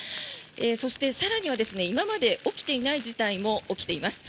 そして、更には今まで起きていない事態も起きています。